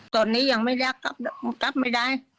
ตอนนี้ยังไม่ได้กลับไม่ได้